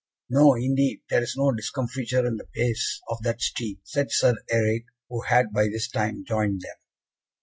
"No, indeed, there is no discomfiture in the pace of that steed," said Sir Eric, who had by this time joined them.